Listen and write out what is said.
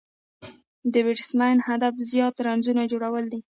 د بېټسمېن هدف زیات رنزونه جوړول دي.